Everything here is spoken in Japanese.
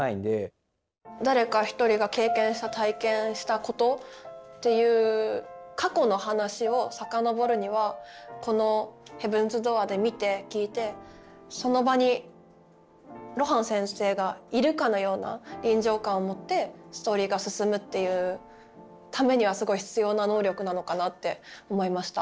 誰か一人が経験した体験したことっていう過去の話を遡るにはこの「ヘブンズ・ドアー」で見て聞いてその場に露伴先生がいるかのような臨場感を持ってストーリーが進むっていうためにはすごい必要な「能力」なのかなって思いました。